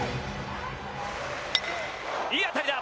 いい当たりだ。